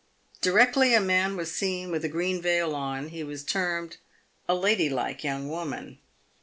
Directly a man was seen with a green veil on, he was termed " a ladylike young woman."